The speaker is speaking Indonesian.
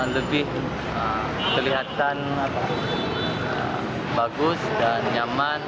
lebih kelihatan bagus dan nyaman